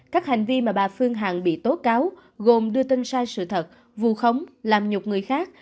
các hành vi mà bà phương hằng bị tố cáo gồm đưa tin sai sự thật vù khống làm nhục người khác